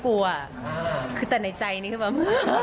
แต่พี่อย่าลืม